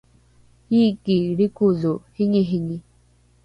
iiki lrikodho ringiringi